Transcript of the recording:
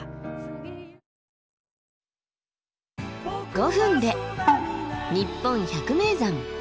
５分で「にっぽん百名山」。